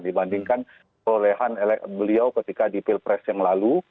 dibandingkan perolehan beliau ketika di pilpres yang lalu